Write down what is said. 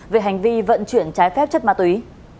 về hành vi vận chuyển trái phép chất ma túy